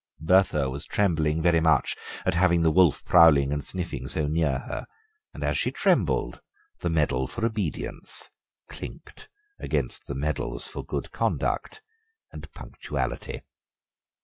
Bertha was trembling very much at having the wolf prowling and sniffing so near her, and as she trembled the medal for obedience clinked against the medals for good conduct and punctuality.